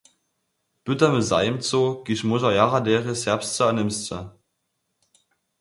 Pytamy zajimcow, kiž móža jara derje serbsce a němsce.